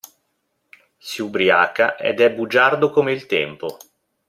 Si ubriaca, ed è bugiardo come il tempo.